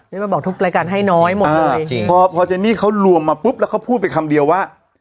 นี่มันบอกทุกรายการให้น้อยหมดเลยจริงจริงพอพอเจนี่เขารวมมาปุ๊บแล้วเขาพูดไปคำเดียวว่า